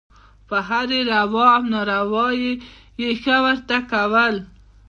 په هرې روا او ناروا یې «ښه» ورته کول.